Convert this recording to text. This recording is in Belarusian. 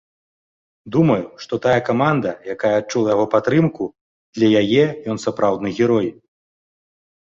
Думаю, што тая каманда, якая адчула яго падтрымку, для яе ён сапраўды герой.